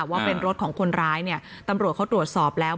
ว่าเป็นรถของคนร้ายเนี่ยตำรวจเขาตรวจสอบแล้ว